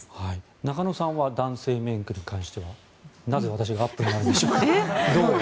中野さんは男性メイクに関しては。なぜ私がアップになるのでしょうか。